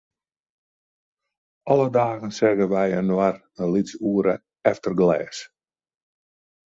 Alle dagen seagen wy inoar in lyts oere, efter glês.